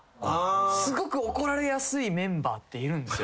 すごく怒られやすいメンバーっているんですよ